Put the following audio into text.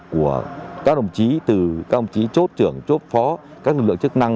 của các đồng chí từ các ông chí chốt trưởng chốt phó các lực lượng chức năng